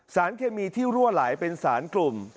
สารเคมีที่รั่วไหลเป็นสารกลุ่ม